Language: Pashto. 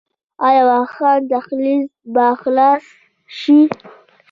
آیا واخان دهلیز به خلاص شي؟